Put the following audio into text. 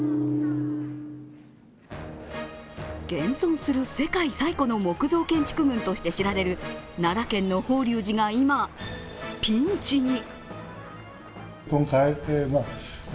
現存する世界最古の木造建築群として知られる奈良県の法隆寺が今、ピンチに。